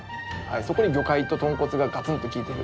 そこに魚介と豚骨がガツンときいてる。